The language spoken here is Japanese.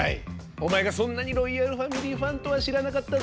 お前がそんなにロイヤルファミリーファンとは知らなかったぜ。